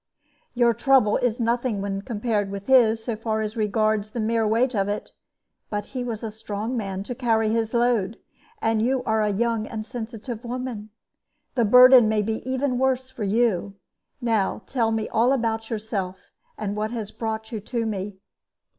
"Your trouble is nothing when compared with his, so far as regards the mere weight of it; but he was a strong man to carry his load; you are a young and a sensitive woman. The burden may even be worse for you. Now tell me all about yourself, and what has brought you to me."